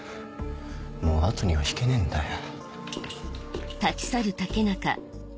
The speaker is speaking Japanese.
もう後には引けねえんだよ。